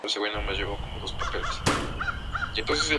Nació en un hogar de Indianola, Iowa.